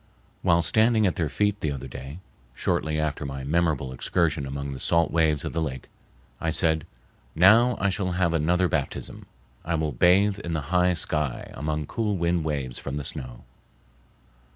While standing at their feet, the other day, shortly after my memorable excursion among the salt waves of the lake, I said: "Now I shall have another baptism. I will bathe in the high sky, among cool wind waves from the snow."